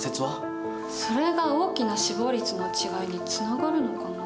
それが大きな死亡率の違いにつながるのかな。